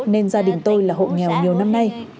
nên gia đình tôi là hộ nghèo nhiều năm nay